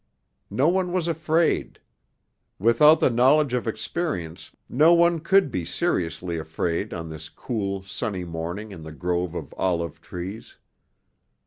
No one was afraid; without the knowledge of experience no one could be seriously afraid on this cool, sunny morning in the grove of olive trees.